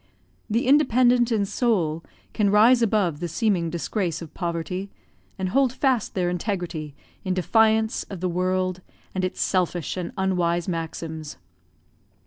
The independent in soul can rise above the seeming disgrace of poverty, and hold fast their integrity, in defiance of the world and its selfish and unwise maxims.